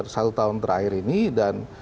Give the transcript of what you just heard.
satu tahun terakhir ini dan